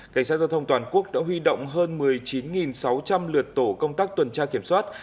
cảnh sát giao thông toàn quốc đã huy động hơn một mươi chín sáu trăm linh lượt tổ công tác tuần tra kiểm soát